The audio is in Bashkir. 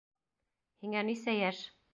Һиңә нисә йәш?